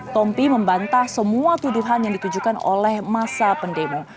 tompi membantah semua tuduhan yang ditujukan oleh masa pendemo